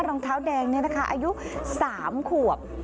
รองเท้าแดงนี่นะคะอายุ๓ขวบ